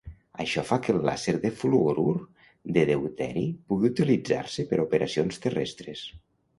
Això fa que el làser de fluorur de deuteri pugui utilitzar-se per a operacions terrestres.